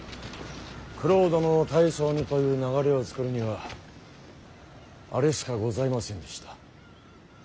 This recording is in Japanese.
九郎殿を大将にという流れを作るにはあれしかございませんでした。